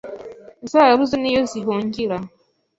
Zarabuze n'iyo zihungira